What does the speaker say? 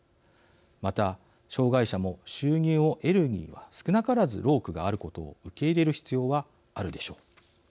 また障害者も収入を得るには少なからず労苦があることを受け入れる必要はあるでしょう。